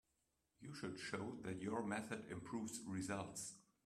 You should show that your method improves results.